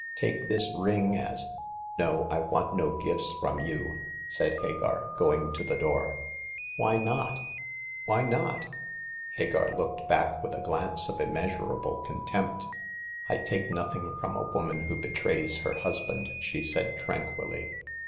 Take this ring as "" No I want no gifts from you," said Hagar, going to the door. " Why not— why not ?" Hagar looked back with a glance of immeasur able contempt. " I take nothing from a woman who betrays her husband," she said, tranquilly.